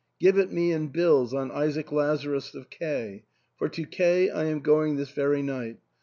Give it me in bills on Isaac Lazarus of K . For to K I am going this very night.